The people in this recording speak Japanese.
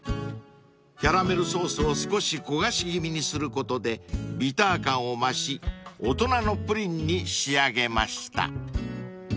［キャラメルソースを少し焦がし気味にすることでビター感を増し大人のプリンに仕上げました］